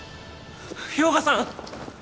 氷河さん！